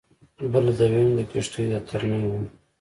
بله د وین د کښتیو د ترمیم وه